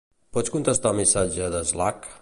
Pots contestar el missatge de Slack?